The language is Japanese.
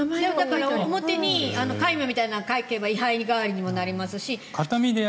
表に戒名を書けば位牌代わりになりますし。